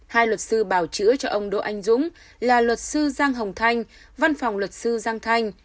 hai luật sư bảo chữa cho ông đỗ anh dũng là luật sư giang hồng thanh văn phòng luật sư giang thanh